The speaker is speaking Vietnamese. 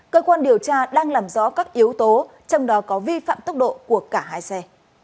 cơ quan điều tra đang làm rõ các yếu tố trong đó có vi phạm tốc độ của cả hai xe